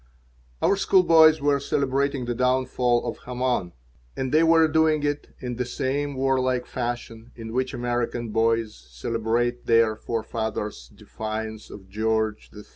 Our school boys were celebrating the downfall of Haman, and they were doing it in the same war like fashion in which American boys celebrate their forefathers' defiance of George III.